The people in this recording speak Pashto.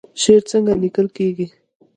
شعر څنګه لیکل کیږي؟